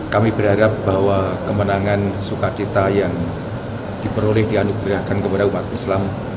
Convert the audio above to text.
kami berharap bahwa kemenangan sukacita yang diperoleh dianugerahkan kepada umat islam